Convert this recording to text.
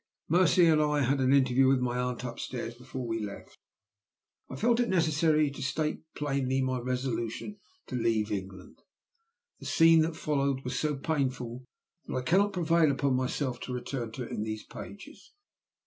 "Mercy and I had an interview with my aunt upstairs before we left. I felt it necessary to state plainly my resolution to leave England. The scene that followed was so painful that I cannot prevail on myself to return to it in these pages.